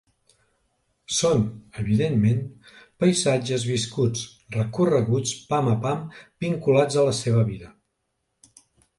Són, evidentment, paisatges viscuts, recorreguts pam a pam, vinculats a la seva vida.